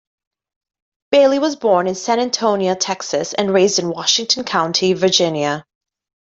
Bailey was born in San Antonio, Texas, and raised in Washington County, Virginia.